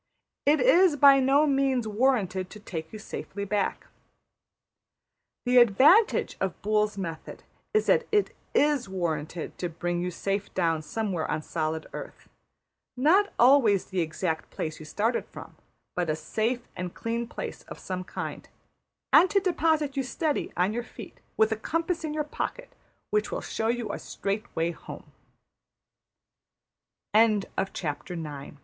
It is by no means warranted to take you safely back. The advantage of Boole's method is that it \emph{is} warranted to bring you safe down somewhere on solid earth, not always the exact place you started from, but a safe and clean place of some kind and to deposit you steady on your feet, with a compass in your pocket which will show you a st